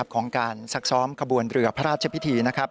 ของการซักซ้อมขบวนเรือพระราชพิธีนะครับ